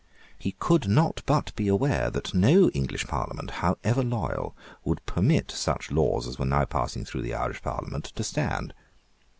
He could not but be aware that no English Parliament, however loyal, would permit such laws as were now passing through the Irish Parliament to stand.